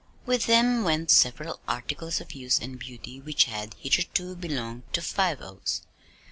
With them went several articles of use and beauty which had hitherto belonged to Five Oaks.